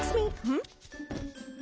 うん？